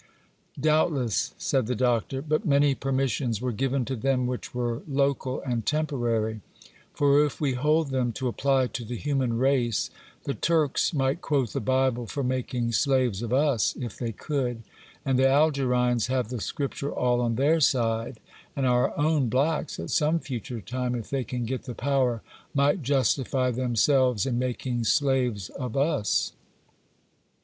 'Doubtless,' said the Doctor; 'but many permissions were given to them which were local and temporary; for if we hold them to apply to the human race, the Turks might quote the Bible for making slaves of us, if they could,—and the Algerines have the Scripture all on their side,—and our own blacks, at some future time, if they can get the power, might justify themselves in making slaves of us.